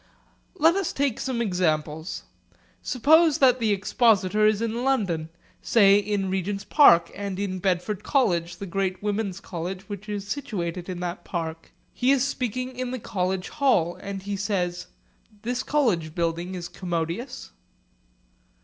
Let us take some examples. Suppose that the expositor is in London, say in Regent's Park and in Bedford College, the great women's college which is situated in that park. He is speaking in the college hall and he says, 'This college building is commodious.'